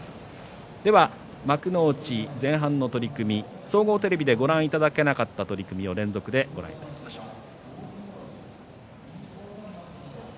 幕内前半の取組総合テレビでご覧いただけなかった取組を連続でご覧いただきましょう。